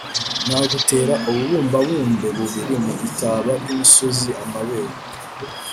Nagutera ububumbabumbe bubiri mu itaba ry'umusozi-Amabere.